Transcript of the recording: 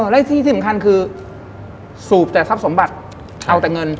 และที่สำคัญคือสูบแต่ทรัพย์สมบัติเอาแต่เงิน